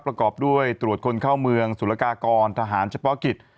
ประกอบด้วยตรวจคนเข้าเมืองสุรกากรทหารเฉพาะกิจ